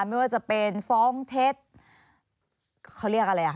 ไม่ว่าจะเป็นฟ้องเท็จเขาเรียกอะไรอ่ะ